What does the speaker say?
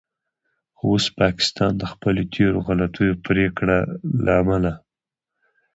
خو اوس پاکستان د خپلو تیرو غلطو پریکړو له امله